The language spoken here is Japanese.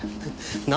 何？